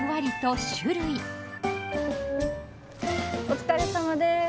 お疲れさまです。